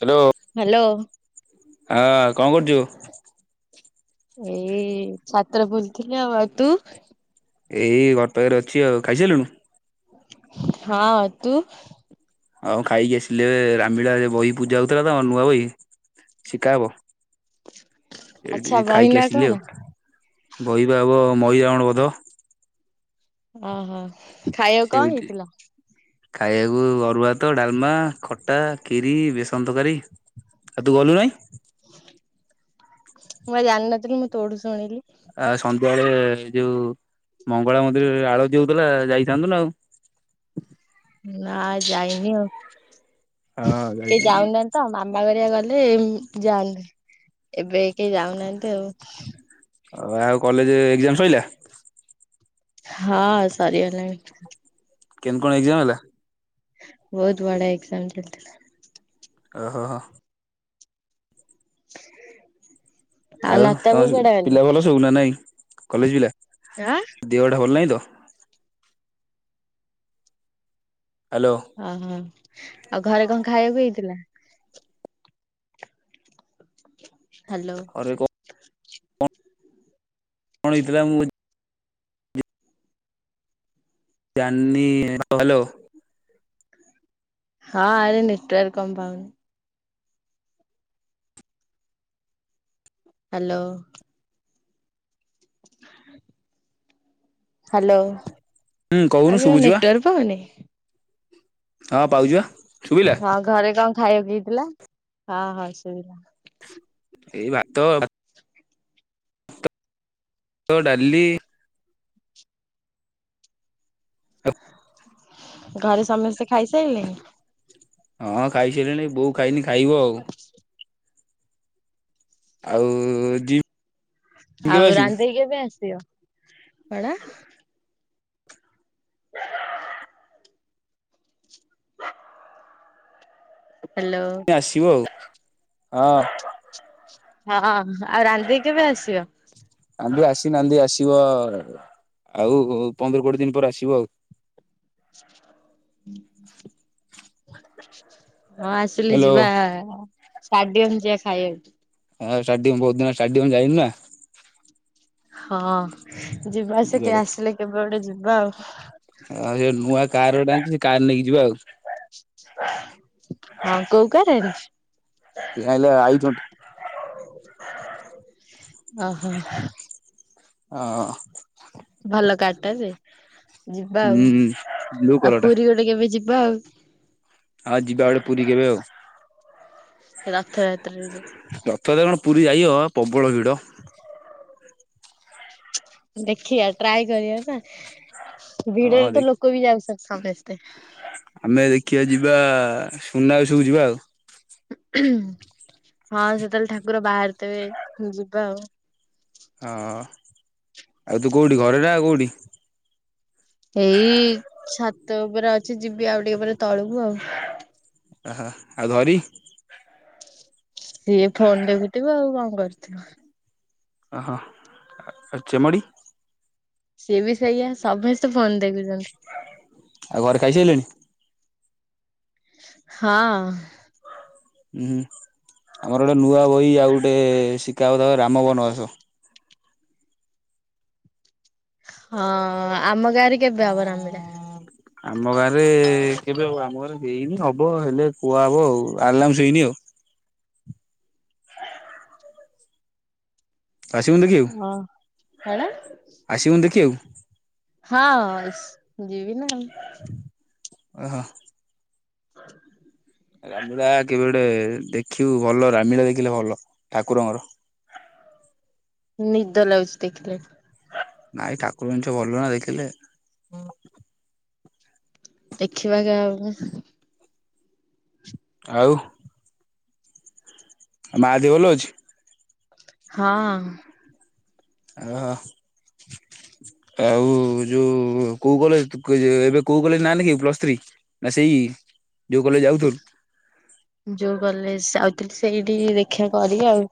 Hello, hello ହଁ କଣ କରୁଛୁ? ଏଇ ଛାତରେ ବୁଲଥିଲି, ଆଉ ତୁ--? ଏଇ ଘର ପାଖରେ ଅଛି ଆଉ, ଖାଇସାରିଲୁନୁ? ହଁ, ତୁ ଆଉ ଖାଇକି ଆସିଲେ, ରାମଲିଳାରେ ବହି ପୂଜା ହଉଥିଲା ତମର, ନୂଆ ବହି ଶିଖାହବ, ଆଚ୍ଛା ସେଠି ବହିନା ଖାଇକି ଆସିଲି କଣ ଆଉ ବହିିବା ହବ ମଇରାବଣ ବଧ । ଓହୋ, ଖାଇବାକୁ କଣ ସେଇଠି ହେଇଥିଲା? ଖାଇବାକୁ ଅରୁଆ ହାତ, ଡାଲମା, ଖଟା, କ୍ଷୀରି, ବେସନ ତରକାରୀ । ଆଉ ତୁ ଗଲୁ ନାହିଁ? ମୁଁ ବା ଜାଣିନଥିଲି, ମୁଁ ତୋଠୁ ଶୁଣିଲି । ଆଉ ସନ୍ଧ୍ୟାବେଳେ ଯୋଉ ମଙ୍ଗଳା ମନ୍ଦିରରେ ଆଳତି ହଉଥିଲା ଯାଇଥାନ୍ତୁ ନା ଆଉ ନା ଯାଇନି ଆଉ, ହଁ କେ ଯାଇଥାନ୍ତି। ଯାଉନାହାନ୍ତି ତ, ମାମା ହେରିବା ଗଲେ ସେ ଯାଆନ୍ତି, ଏବେ କେହି ଯାଉନାହାନ୍ତି ଆଉ ଆଉ କଲେଜ ଏଜାମ ସଇଲା । ହଁ ସାରି ଗଲାଣି । କେନ୍ତି କଣ ଏକ୍ଜାମ ହେଲା? ବହୁତ ବଢିଆ ଏକ୍ସାମ ଚାଲିଥିଲା । ଓ, ହୋ, ହୋ [unintelligible] ଆଉ ଲତା ବୋଉ ତମ କୁଆଡେ ଗଲେ ପିଲା ଭଲ ସବୁ, ନା ନାଇଁ, କଲେଜ ପିଲା, ଆଁ ଦେହଟା ଭଲ ନାହିଁ ତ ହ୍ୟାଲୋ ଓହୋ, ଆଉ ଘରେ କଣ ଖାଇବାକୁ ହେଇଥିଲା? ହାଲୋ ଅରେ କଣ କଣ ହେଇଥିଲା ମୁଁ ଜ ହ୍ୟାଲ [unintelligible] ହଁ ଆରେ ନେଟୱର୍କ କଣ ପାଉନି । ହାଲୋ [unintelligible] ହାଲୋ, ହୁଁ କହୁନୁ ଆଜ୍ଞା ଶୁଭୁଚି ବା ନେଟୱର୍କ ପାଉନି? ହଁ ପାଉଛି ପା । ହଁ ଘରେ କଣ ଖାଇବାକୁ ହେଇଥିଲା? ହଁ ହଁ ସୁବିଲା। ଏଇ ଭାତ ତ ଭାତଡାଲି ହ [unintelligible] ଘରେ ସମସ୍ତେ ଖାଇସାରିଲେଣି । ହଁ ଖାଇସାରିଲିଣି, ବୋଉ ଖାଇନି ଖାଇବ ଆଉ? ଆଉ ଯ ଆଉ ରାନଦେଇ କେବେ ଆସିବ? କଣ? [unintelligible] ହ୍ୟାଲୋ ଆସିବ ଆଉ, ହଁ ହଁ, ଆଉ ରାନଦେଇ କେବେ ଆସିବ? ନାନ୍ଦି ଆସିନାହାନ୍ତି ଆସିବ, ଆଉ ପନ୍ଦର କୋଡିଏ ଦିନ ପରେ, ଆସିବ ଆଉ [unintelligible] ହଁ ଆସିଲି ହ୍ୟାଲୋ ଯିବା, ଷ୍ଟାଡିୟମ ଯିବା ଖାଇବାକୁ । ହଁ ଷ୍ଟାଡିଅମ୍, ବହୁତ ଦିନ ଷ୍ଟାଡିମ ଯାଇନି ନା । ହଁ ଯିବା ସେଠ ଆସିଲେ, କେବେ ଗଡେ ଯିବା ଆଉ ଆଉ ସେ ନୂଆ କାର ଗୋଟେ ଆଣିଛି ସେ କାର ନେଇକି ଯିବା ଆଉ। ହଁ କଉ କାରରେ? ଇଏ ହେଲେ ଆଇଚନ୍ତି। ଓହୋ। ହଁ। ଭଲ କାର ଟା ଯେ ଯିବା ଆଉ ବ୍ଲୁ ଆଉ କଲର ପୁରୀ ଗୋଟେ କେବେ ଯି ବାଉ ଆଉ ଯିବା ବଡେ ପୁରୀ କେବେ ଆଉ? ରଥ ଯାତ୍ରା ରେ ଯିବା। ରଥତ କଣ ପୁରୀ ଯାଇଅ ପ୍ରବଳ ଭିଡ। ଦେଖିବା ଟ୍ରାଏ କରିବା ନା। ହଁ ଭିଡରେ ଦେ ତ ଲୋକ ବି ଯାଉ ସୁ ସମସ୍ତେ। କିଏ ଯିବା ସୁନା ସବୁ ଯିବା ଆଉ। ହଁ ସେତେବେଳେ ଠାକୁର ବାହାରଥେ ଯିବା ଆଉ। ହଁ ଆଉ ତୁ କୋଉଠି ଘରେଟ କୋଉଠି? ଏଇ ଛାତ ଉପରେ ଅଛି ଯିବି ଆଉ ଟିକେ ଉପରେ ତଳକୁୁ ଆଉ। ଆହା ଆଉ ଧରି? ସିଏ ଫୋନ ଦେଖୁଥିବ ଆଉ କଣ କରିଥିବ। ଓହୋ ଚେମଡ଼ି? ସିଏ ବି ସେଇଆ ସମସ୍ତେ ଫୋନ ଦେଖୁଛନ୍ତି। ଆଉ ଘରେ ଖାଇ ସାଇଲେଣି? ହଁ। ହୁଁ ହୁଁ ଆମର ଗୋଟେ ନୂଆ ବହି ଆଉ ଗୋଟେ ଶିଖା ହଉଥା ରାମବନବାସ। ହଁ ଆମ ଗାଁରେ କେବେ ରାମନୀଳା? ଆମ ଗାଁରେ କେବେ ଆମ ଘରେ ହେଇନି ହବ ହେଲେ କୁହାହବ ଆଉ ଆଲାଉଁସ ହେଇନି ଆଉ। ଆସିବୁନୁ ଦେଖି। ହଁ କଣ? ଆସିବୁନ ଦେଖିବା କୁ? ହଁ ଯିବି ନା ଆଉ। ଓହୋ। ରାମିଳା କେବେ ଗୋଟେ ଦେଖିବୁ ଭଲ ରାମିଳା ଦେଖିଲେ ଭଲ ଠାକୁରଙ୍କର। ନିଦ ଲାଗୁଛି ଦେଖିଲେ। ନାଇଁ ଠାକୁର ଜିନିଷ ଭଲ ନା ଦେଖିଲେ। ଦେଖିବା କେବେ ଗୋଟେ। ଆଉ ମାଆ ଦେହ ଭଲ ଅଛି? ହଁ। ଓହୋ। ଆଉ ଯୋଉ କୋଉ କଲେଜ ଏବେ କୋଉ କଲେଜ ନା ନେଖେଇମୁ ପ୍ଲସ ଥ୍ରୀ। ନା ସେଇ ଯୋଉ କଲେଜ ଯାଉଥୁଲ। ଯୋଉ କଲେଜ ଯାଉଥିଲି ସେଇଠି ଦେଖା କରିବି ଆଉ।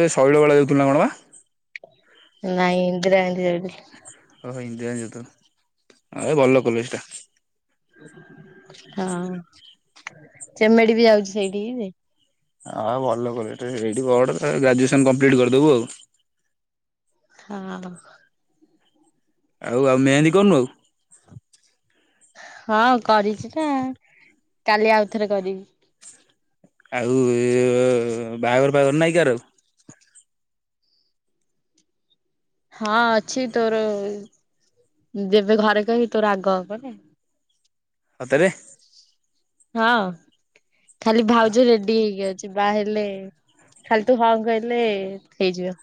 ଏ ଶୈଳ ବାଳା ଯାଉଥିଲା ନା କଣ ବା। ନାଇଁ ଇନ୍ଦିରା ଗାନ୍ଧୀ ଯାଉ ଓହୋ ଇନ୍ଦିରା ଗାନ୍ଧୀ ଯାଉଥିଲୁ ଭଲ କଲେଜ ଟା। ହଁ ଚେମେଡି ବି ଯାଉଛି ସେଇଠିକି। ହଁ ଭଲ କଲେଜ ସେଇଠି ପଢ଼ ଗ୍ରାଜୁଏସନ କମ୍ପ୍ଲିଟ କରିଦବୁ ଆଉ। ହଁ। ଆଉ ଆଉ ମେହେନ୍ଦୀ କରନୁ ଆଉ? ହଁ କରିଚି ନାଁ କାଲି ଆଉଥରେ କରିବି। ଆଉ ଏ ବାହାଘର ଫାହାଘର ନାଇଁ କାର ଆଉ? ହଁ ଅଛି ତୋର ଯେବେ ଘରେ କହି ତୋର ଆଗ ହବନି। ସତରେ। ହଁ ଖାଲି ଭାଉଜ ରେଡ଼ି ହେଇକି ଅ ଚି ବା ହେଲେ ଖାଲି ତୁ ହଁ କହିଲେ ହେଇଯିବ।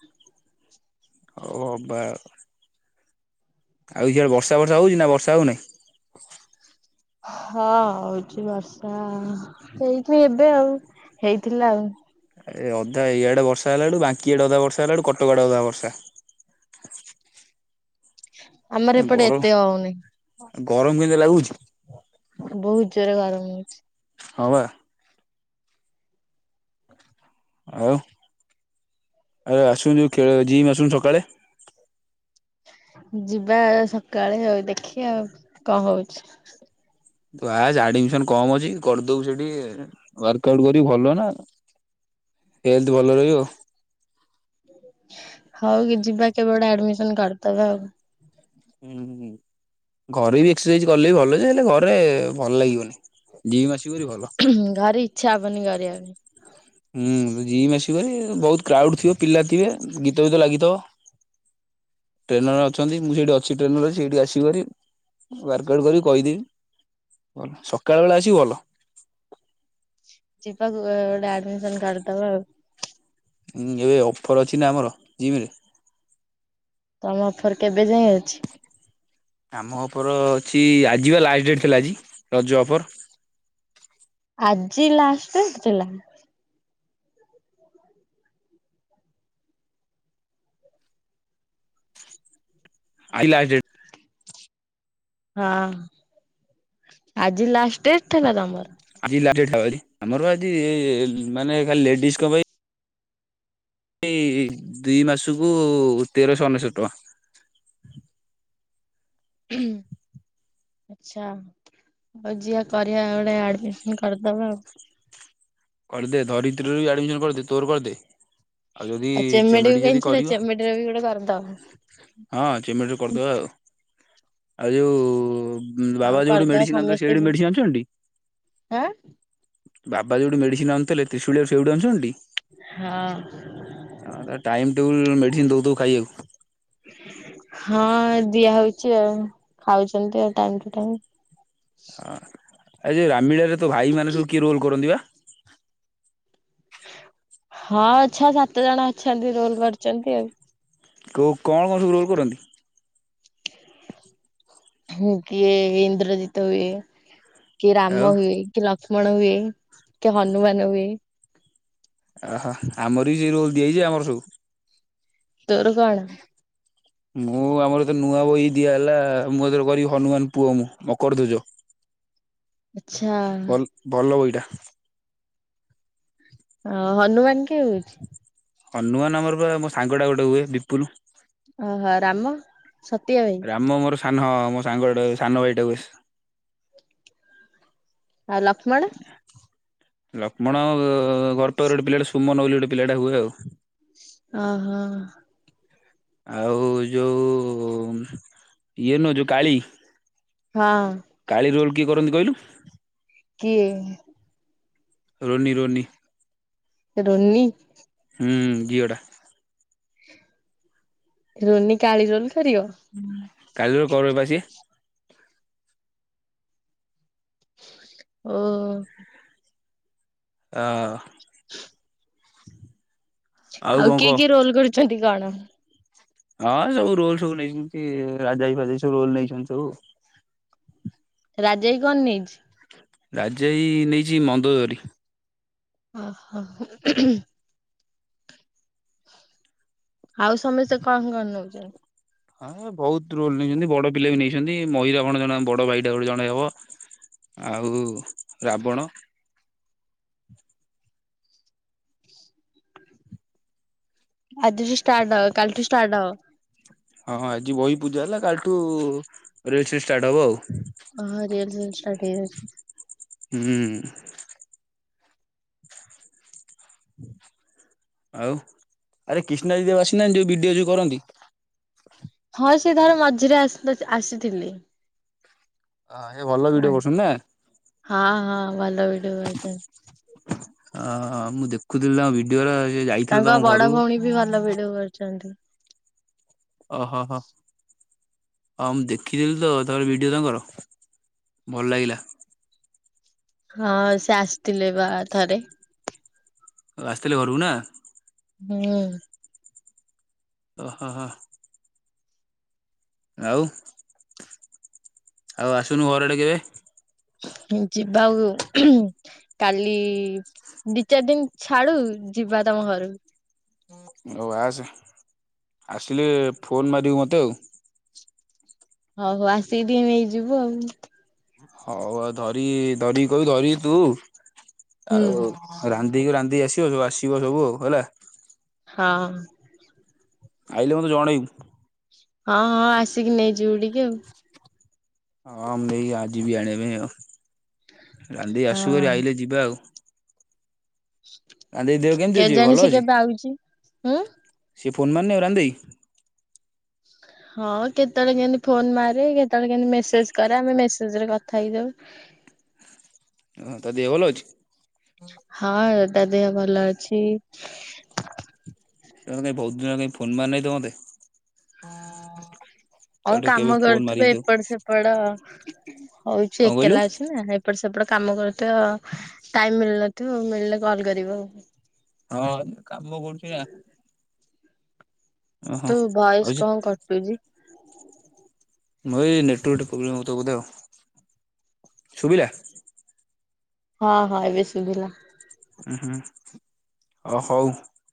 ହଉ ହବା ଆଉ। ଆଉ ଇଆ ବର୍ଷା ଫର୍ଷା ହଉଚି ନାଁ ବର୍ଷା ହଉନେଇ? ହଁ ହଉଚି ବର୍ଷା ହେଇକି ଏବେ ଆଉ ହେଇଥିଲା ଆଉ। ଏ ଅଧା ଇଆଡ଼େ ବର୍ଷା ହେଲାଠୁ ବାଙ୍କି ଆଡ଼େ ଅଧା ବର୍ଷ ହେଲାଠୁ କଟକ ଆଡ଼େ ଅଧା ବର୍ଷା। ଆମର ନାଁ ଏପଟେ ବର ଏତେ ହଉନି। ଗରମ କେନ୍ତି ଲାଗୁଚି? ବୋହୁତ ଜୋରେ ଗରମ ହୋଉଛି। ହଁ ବା। ଆଉ ଆଉ ଆସୁ ଯୋଉ ଖେଳ ଜିମ୍ ଆସୁନୁ ସକାଳେ। ଯିବା ଆ ସକାଳେ ଆଉ ଦେଖିଆ ଆଉ କଁ ହଉଛି। ତୁ ଆ ଯେ ଆଡ଼ମିସନ୍ କମ୍ ଅଛି କରିଦୋଉ ସେଠି ୱାର୍କ ଆଉଟ୍ କରି ଭଲ ନାଁ। ହେଲ୍ଥ୍ ଭଲ ରହିବ। ହଉ କି ଯିବା କେବେ ଗୋଟେ ଆଡ଼ମିସନ୍ କରଦବା ଆଉ। ହୁଁ ହୁଁ। ଘରେ ବି ଏକ୍ସସାଇଜ୍ କଲେ ବି ଭଲ ଯେ ହେଲେ ଘରେ ଭଲ ଲାଗିବନି ଜିମ୍ ଆସି ଘରେ ଇଚ୍ଛା ହବନି କରିବା ପାଇଁ। ହୁଁ ଜିମ୍ ଆସିବୁ ଭାରି ବହୁତ କ୍ରାଉଡ଼୍ ଥିବ ପିଲା ଥିବେ ଗୀତ ବିତ ଲାଗିଥିବ। ଟ୍ରେନର ଅଛନ୍ତି ମୁଁ ସେଇଠି ଅଛି ଟ୍ରେନରେ ସେଇଠି ଆସିବୁ ଭାରି। ୱାର୍କ ଆଉଟ୍ କରିଉ କହିଦେଇ ବଲ ସକାଳ ବେଳା ଆସିବୁ ଭଲ। ଯିବାକୁ ଏ ଗୋଟେ ଆଡ଼ମିସନ୍ କରଦବା ଆଉ। ଉଁ ଏବେ ଅଫର୍ ଅଛି ନାଁ ଆମର ଜିମ୍ ରେ। ତମ ଅଫର୍ କେବେ ଯାଏ ଅଛି? ଆମ ଅପର ଅଛି ଆଜି ବା ଲାଷ୍ଟ୍ ଡେଟ୍ ଥିଲା ଆଜି ରଜ ଅଫର୍। ଆଜି ଲାଷ୍ଟ୍ ଡେଟ୍ ଥିଲା? ଆଇ ଲା ଡେ ହଁ ଆଜି ଲାଷ୍ଟ୍ ଡେଟ୍ ଥିଲା ତମର? ଆଜି ଲା ଡେଟ୍ ଥା ବାଲି ଆମର ଆଜି ମାନେ ଖାଲି ଲେଡିଜ୍ ଙ୍କ ପାଇଁ ଇ ଦୁଇ ମାସୁକୁ ତେରଶ ଅନେଶୋତ ଟଆଁ। ହୁଁ ଆଚ୍ଛା ଆଉ ଯିଆ କରିଆ ଓଟେ ଆଡମିସନ୍ କରିଦବା ଆଉ। କରିଦେ ଧରିତ୍ରୀର ଇ ଆଡ଼ମିସନ୍ କରିଦେ ତୋର କରିଦେ। ଯଦି ଆଉ ଚମେଡ଼ିକୁ ଚେମେଡି ଯଦି କାଇଁ ଛାଡ଼ିଆ କରିବ ଚମେଡି଼ର ବି ଗୋଟେ କରିଦବା। ହଁ ଚିମିଡ଼ିର କରିଦବା ଆଉ ଆଉ ଯୋଉ ଆଉ ବାବା ଯୋଉଠି କରିଦବା ମେଡ଼ିସିନ୍ ଆଣୁଥୁଲେ ସମସ୍ତେ ସେଇଠି ଯିବୁ ମେଡ଼ିସିନ୍ ଆଣୁଚନ୍ତି ଟି? ଆଁ ବାବା ଯୋଉଠି ମେଡ଼ିସିନ୍ ଆଣୁଥୁଲେ ତିଶୂଳୀଆ ସେଉଠୁ ଆଣୁଚନ୍ତି ଟି? ହଁ ତାଙ୍କର ତ ଟାଇମ୍ ଟେବୁଲ୍ ମେଡ଼ିସିନ୍ ଦୋଉଥୁବୁ ଖାଇବାକୁ। ହଁ ଦିଆହଉଚି ଆଉ ଖାଉଛନ୍ତି ଆ ଟାଇମ୍ ଟୁ ଟାଇମ୍। ହଁ ଆ ଏ ଯୋଉ ରାମିଳାରେ ତ ଭାଇମାନେ ସବୁ କିଏ ରୋଲ୍ କରନ୍ତି ବା? ହଁ ଛଅ ସାତ ଜଣ ଅଛନ୍ତି ରୋଲ୍ କରିଚନ୍ତି ଆଉ। କୋଉ କଣ କଣ ସବୁ ରୋଲ କରନ୍ତି? ହୁଁ କିଏ ଇନ୍ଦ୍ରଜିତ ହୁଏ କିଏ ଆଉ ରାମ ହୁଏ କି ଲକ୍ଷ୍ ଲୁକ୍ଷ୍ମଣ ହୁଏ କି ହନୁମାନ ହୁଏ। ଓହୋ ଆମର ବି ସେ ରୋଲ ଦିଆଯାଇଛି ଆମର ସବୁ। ତୋର କଣ? ମୁଁ ଆମର ତ ନୂଆ ବହି ଦିଆହେଲା ମୁଁ ଏଥର କରିବି ହନୁମାନ ପୁଅ ମୁଁ ମକର ଧ୍ୱଜ ଆଚ୍ଛା । ଭଲ ଭଲ ବହିଟା। ହ ହନୁମାନ କିଏ ହଉଛି? ହନୁମାନ ଆମର ମୋ ସାଙ୍ଗଟା ଗୋଟେ ହୁଏ ବିପୁଲ। ଓହୋ ରାମ? ସତ୍ୟ ଭାଇ ରାମ ମୋର ସାନ ମୋ ସାଙ୍ଗଟା ସାନ ଭାଇଟାକୁ ଆଉ ଲକ୍ମଣ। ଲକ୍ଷ୍ମଣ ଓ ଘଟୋର ଗୋଟେ ପିଲାଟା ସୁମନ ବୋଲି ଗୋଟେ ପିଲାଟେ ହୁଏ ଆଉ। ଅହ। ଆଉ ଯୋଉ ଇଏ ନୁହଁ ଯୋଉ କାଳୀ ହଁ। କରନ୍ତି କହିଲୁ? କିଏ? Ronnie Ronnie. ରୋନି ହୁଁ ଝିଅ ଟା। ରୋନି କାଳି ରୋଲ କରିବ? କାଳୀ ରୋଲ କରେ ପା ସିଏ। ଓହୋ। ଅହ। ଆଉ କଣ କିଏ କହ କିଏ ରୋଲ କରୁଛନ୍ତି କଣ? ହଁ କୋଉ ରୋଲ ସବୁ ନେଇଛନ୍ତି ରାଜାଭାଇ ଫାଜାବାଇ ସବୁ ରୋଲ ନେଇଛନ୍ତି ସବୁ। ରାଜେଇ କରୁନି? ରାଜା ଭାଇ ନେଇଚି ମନ୍ଦୋଦରୀ। ଓହୋ। ଆଉ ସମସ୍ତେ କଣ କଣ ନୋଉଚନ୍ତି? ହଁ ବୋହୁତ ରୋଲ ନେଇଚନ୍ତି। ବଡ ପିଲା ବି ନେଇଚନ୍ତି ମହି [unintelligible] ଜଣେ ବଡ ଭାଇଟା ବୋଲି ଜଣେ ହବ। ଆଉ ରାବଣ। ଆଜିଠୁ ଷ୍ଟାର୍ଟ ହବ କାଲିଠୁ ଷ୍ଟାର୍ଟ ହବ। ହଁ ଆଜି ବହି ପୂଜା ହେଲା କାଲିଠୁ ରେଲସିଲ୍ ଷ୍ଟାର୍ଟ ହବ ଆଉ। ଓହୋ ରିଅଲସେଲ୍ ଷ୍ଟାର୍ଟ ହେଇଯାଉଛନ୍ତି। ହୁଁ ଆଉ ଆରେ କ୍ରିଷ୍ଣା ଦିଦି ଆଉ ଆସିନାହାନ୍ତି? ଯୋଉ ଭିଡିଓ ଯୋଉ କରନ୍ତି। ହଁ ସେ ଥରେ ମଝିରେ ଆସଥି ଆସିଥିଲେ। ହଁ ସେ ଭଲ ହୁଁ ଭିଡିଓ କରୁଛନ୍ତି ନା। ହଁ ହଁ ଭଲ ଭଡିଓ କରୁଚନ୍ତି। ଅହ ମୁଁ ଦେଖୁଥିଲି ଭିଡିଓରା ତାଙ୍କ ବଡ ଭୋଉଣୀ ବି ଭଲ ଭିଡିଓ କରୁଚନ୍ତି। ଓହୋ ହୋ। ହଁମ୍ ମୁଁ ଦେଖିଥିଲି ତ ଥରେ ଭିଡିଓ ତାଙ୍କର ଭଲ ଲାଗିଲା। ହଁ ସେ ଆସିଥିଲେ ପା ଥରେ। ଆଉ ଆସିଥିଲେ ଘରକୁ ନା? ହୁଁ। ଓହୋ ହୋ। ଆଉ ଆଉ ଆସୁନୁ ଘର ଆଡେ କେବେ ଯିବା ଆଉ କାଲି ଦି ଚାରି ଦିନ ଛାଡୁ ଯିବା ତମ ଘରକୁ। ଓ ଆସ ଆସିଲି ଫୋନ ମାରିବୁ ମତେ ଆଉ। ହଉ ହଉ ଆସିକି ଟିକେ ନେଇଯିବୁ ଆଉ। ହଉ ଆଉ ଧରି ଧରିକି କ ଧରିି ତୁ। ହୁଁ ଆଉ ରାନ୍ଧିକି ରାନ୍ଧିକି ଆସିବ ସବୁ ଆସିବ ସବୁ ହେଲା। ହଁହଁ। ଆଇଲେ ମତେ ଜଣେଇବୁ। ହଁ ହଁ ଆସିକି ନେଇଯିବୁ ଟିକେ ଆଉ। ହଁ ମୁଁ ନେଇି ଯିବି ଆଣିବା ପାଇଁ ଆଉ ରାନ୍ଧିକି ଆସିବୁ ହଁ। ଭାରି ଆଇଲେ ଯିବା ଆଉ। ଆ ଦେଇ ଦେହ କେମିତି ଅ ଯିବ କେଜାଣି ଭଲ ସେ ଅଛି। କେବେ ଆଉଚି। ହୁଁ ସେ ଫୋନ୍ ମାନେ ରାନି ଦେଇ। ହଁ କେତେବେଳେ କେମତି ଫୋନ ମାରେ କେତେବେଳେ କେମତି ମେସେଜ କରେ ଆମେ ମେସେଜ ରେ କଥା ହେଇଯାଉୁ। ହ ତ ଦେହ ଭଲ ଅଛି। ହଁ ତା ଦେହ ଭଲ ଅଛି। ତା ମାନେ ବହୁତ ଦିନ ହେଲାଣି ଫୋନ ପାନ ନାଇଁ ତ ମୋତେ। ହଉ କାମ କରୁଥିବେ ଏପଟ ସେପଟ। ହଉଛି କଣ କହିଲୁ? ଏକଲା ଅଛି ନା ଏପଟେ ସେପଟେ। କାମ କରୁଥିବ ଟାଇମ ମିଳୁନଥିବ ମିଳିଲେ କଲ୍ କରିବ ଆଉ। ହଁ କାମ କରୁଛି ଆ ତୁ ଆଉ ଭଏସ ସେ କଣ କଟୁଚି। ମୋର ଏ ନେଟୱର୍କ ଟା ପ୍ରୋବ୍ଲେମ ହଉଥିବ ବୋଧେ ଆଉ ଶୁଭିଲା। ହଁ ହଁ ଏବେ ସୁଭିଲା। ଉ ହୁଁ ଅ ହଉ।